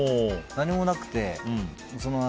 何もなくて。